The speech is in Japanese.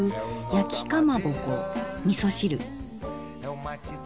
やきかまぼこみそ汁。